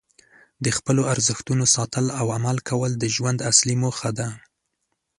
د خپلو ارزښتونو ساتل او عمل کول د ژوند اصلي موخه ده.